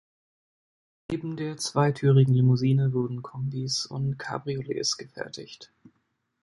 Neben der zweitürigen Limousine wurden Kombis und Cabriolets gefertigt.